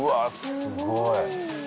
すごい。